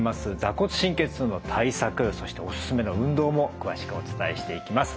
坐骨神経痛の対策そしておすすめの運動も詳しくお伝えしていきます。